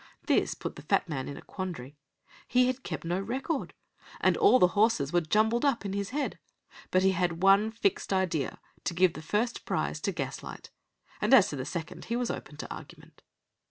This put the fat man in a quandary. He had kept no record, and all the horses were jumbled up in his head; but he had one fixed idea, to give the first prize to Gaslight; as to the second he was open to argument.